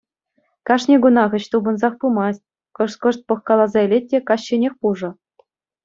Кашни кунах ĕç тупӑнсах пымасть, кӑшт-кӑшт пӑхкаласа илет те каҫченех пушӑ.